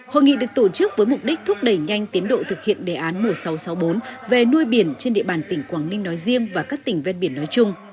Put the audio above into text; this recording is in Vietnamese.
hội nghị được tổ chức với mục đích thúc đẩy nhanh tiến độ thực hiện đề án một nghìn sáu trăm sáu mươi bốn về nuôi biển trên địa bàn tỉnh quảng ninh nói riêng và các tỉnh ven biển nói chung